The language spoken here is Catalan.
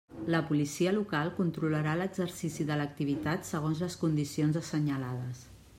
La Policia Local controlarà l'exercici de l'activitat segons les condicions assenyalades.